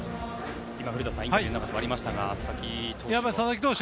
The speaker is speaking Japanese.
古田さん、インタビューがありましたが、佐々木投手。